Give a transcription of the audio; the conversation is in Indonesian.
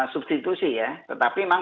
substitusi tetapi memang